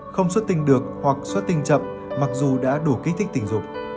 không xuất tình được hoặc xuất tình chậm mặc dù đã đủ kích thích tình dục